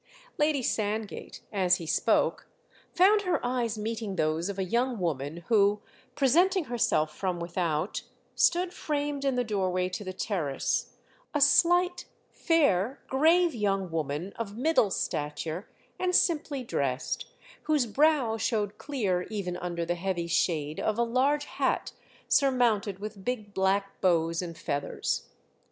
Lady Sandgate, as he spoke, found her eyes meeting those of a young woman who, presenting herself from without, stood framed in the doorway to the terrace; a slight fair grave young woman, of middle, stature and simply dressed, whose brow showed clear even under the heavy shade of a large hat surmounted with big black bows and feathers.